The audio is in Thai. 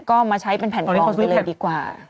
ก็มาใช้เป็นแผ่นกลองไปเลยดีกว่า